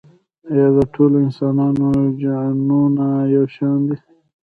ایا د ټولو انسانانو جینونه یو شان دي؟